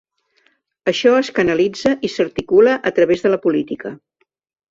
Això es canalitza i s’articula a través de la política.